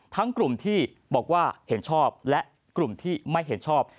กลุ่มที่บอกว่าเห็นชอบและกลุ่มที่ไม่เห็นชอบ